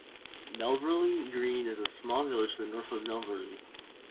Melverley Green is a small village to the north of Melverley.